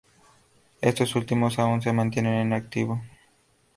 Estos últimos aún se mantienen en activo.